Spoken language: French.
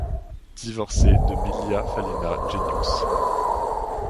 Divorcé de Milia Fallyna Jenius.